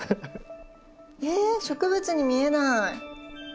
えっ植物に見えない。